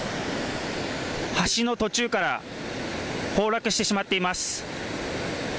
橋の途中から崩落してしまっています。